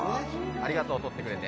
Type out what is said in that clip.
ありがとう、採ってくれて。